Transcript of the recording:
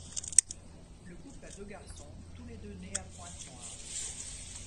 Le couple a deux garçons, tous les deux nés à Pointe-Noire.